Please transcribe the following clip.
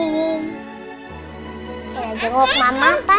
ya jenguk mama pa